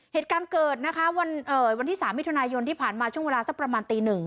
เหตุการณ์เกิดนะคะวันที่๓มิถุนายนที่ผ่านมาช่วงเวลาสักประมาณตีหนึ่ง